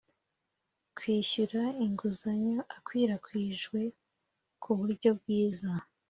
kwishyura inguzanyo akwirakwijwe ku buryo bwiza